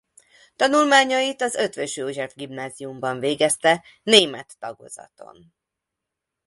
Tanulmányait az Eötvös József Gimnáziumban végezte német tagozaton.